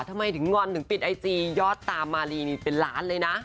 ทำไมถึงงอนถึงปิดไอจียอดตามมารีนี่เป็นล้านเลยนะ